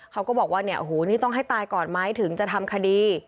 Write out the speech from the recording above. เขาก็บอกว่าเนี่ยโอ้โหนี่ต้องให้ตายก่อนไหมถึงจะทำคดี